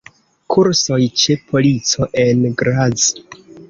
Kursoj ĉe polico en Graz.